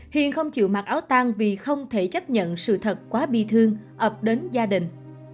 hiền không chịu mặc áo tan vì không thể chấp nhận sự thật quá bi thương ập đến gia đình